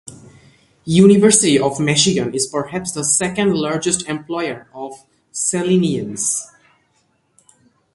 The University of Michigan is perhaps the second largest employer of Salinians.